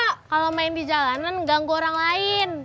karena kalau main di jalanan ganggu orang lain